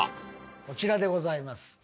こちらでございます。